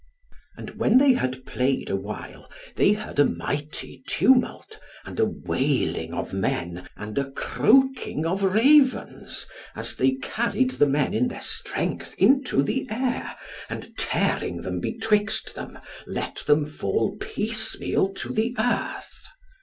And when they had played awhile, they heard a mighty tumult, and a wailing of men, and a croaking of Ravens, as they carried the men in their strength into the air, and, tearing them betwixt them, let them fall piecemeal to the earth.